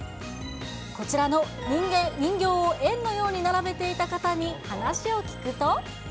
こちらの人形を円のように並べていた方に話を聞くと。